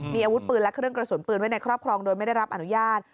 มีอาวุธปืนและเครื่องกระสุนปืนไว้ในครอบครองโดยไม่ได้รับอนุญาต